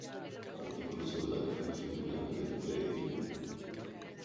Artículo sobre la definición general de peregrino.